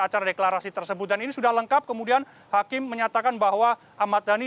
acara deklarasi tersebut dan ini sudah lengkap kemudian hakim menyatakan bahwa ahmad dhani